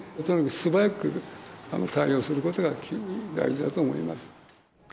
とにかく素早く対応することが大事だと思います。